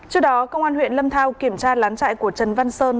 trước đó công an huyện lâm thao kiểm tra lán chạy của trần văn sơn